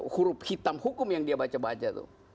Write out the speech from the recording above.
huruf hitam hukum yang dia baca baca tuh